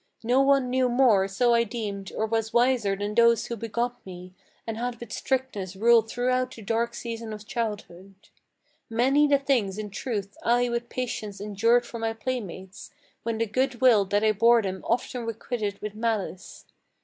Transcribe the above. No one knew more, so I deemed, or was wiser than those who begot me, And had with strictness ruled throughout the dark season of childhood. Many the things, in truth, I with patience endured from my playmates, When the good will that I bore them they often requited with malice.